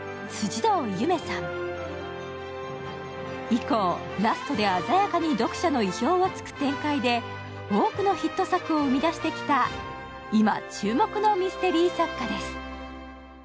以降、ラストで鮮やかに読者の意表をつく展開で、多くのヒット作を生み出してきた今注目のミステリー作家です。